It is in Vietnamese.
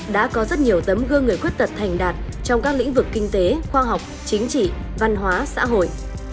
đã có rất nhiều tấm gương người khuyết tật thành đạt trong các lĩnh vực kinh tế khoa học chính trị văn hóa xã hội